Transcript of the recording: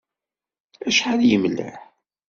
Acḥal yemleḥ!